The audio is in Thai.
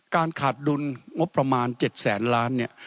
การขาดดุลงบประมาณ๗แสนล้านเนี่ย